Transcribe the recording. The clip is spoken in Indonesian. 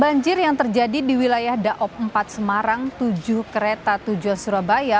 banjir yang terjadi di wilayah daob empat semarang tujuh kereta tujuan surabaya